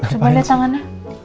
coba liat tangannya